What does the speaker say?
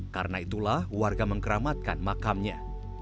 karena itulah warga mengkeramatkan makamnya